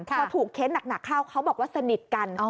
พอถูกเค้นหนักเข้าเขาบอกว่าสนิทกัน